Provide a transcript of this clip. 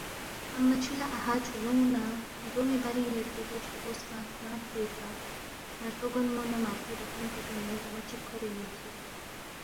امہ چھو نہ اَہا چھولونگ نہ گرونگی برینگ یودپی دے چھوغو سپنگ تھنگ پوئیکہ مرفو گونموئے نہ مرفو داخون چی گونے بونو چیک کھورین یودسوک۔